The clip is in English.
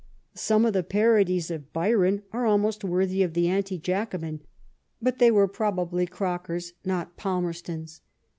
Some of the parodies of Byron are almost worthy of the Anli Jacohin ; but they were probably Groker's, not Palmerston's.